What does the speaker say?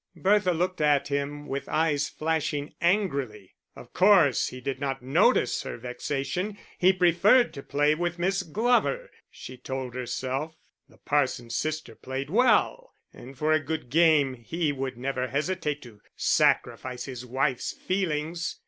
Bertha looked at him with eyes flashing angrily. Of course he did not notice her vexation. He preferred to play with Miss Glover, she told herself; the parson's sister played well, and for a good game he would never hesitate to sacrifice his wife's feelings.